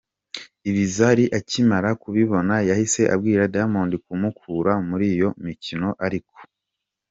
Ibi Zari akimara kubibona yahise abwira Diamond kumukura muri iyo mikino ariko.